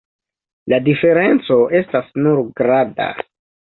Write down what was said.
La diferenco estas nur grada.